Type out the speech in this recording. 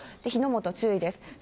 火の元注意です。